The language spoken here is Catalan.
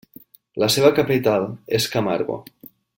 La seva capital és Camargo.